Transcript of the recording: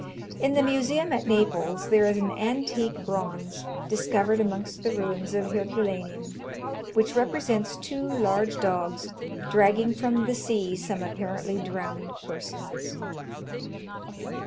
In the Museum at Naples there is an antique bronze, discovered amongst the ruins of Herculaneum, which represents two large dogs dragging from the sea some apparently drowned persons.